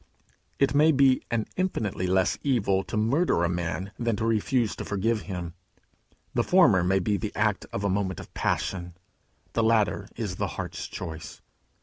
It may be an infinitely less evil to murder a man than to refuse to forgive him. The former may be the act of a moment of passion: the latter is the heart's choice.